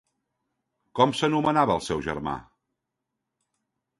Com s'anomenava el seu germà?